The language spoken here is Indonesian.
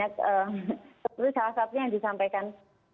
seperti salah satunya yang disampaikan